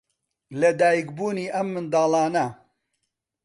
لەدایکبوونی ئەم منداڵانە